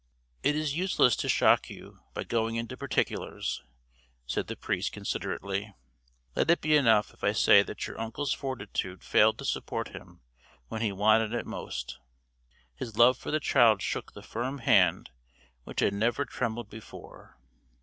"It is useless to shock you by going into particulars," said the priest, considerately. "Let it be enough if I say that your uncle's fortitude failed to support him when he wanted it most. His love for the child shook the firm hand which had never trembled before.